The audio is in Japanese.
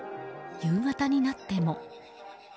夕方になっても。